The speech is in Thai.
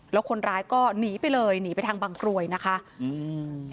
แล้วคนร้ายก็หนีไปเลยหนีไปทางบางกรวยนะคะอืม